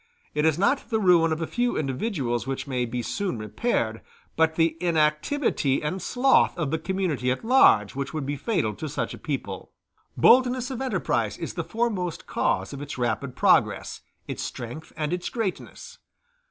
It is not the ruin of a few individuals which may be soon repaired, but the inactivity and sloth of the community at large which would be fatal to such a people. Boldness of enterprise is the foremost cause of its rapid progress, its strength, and its greatness.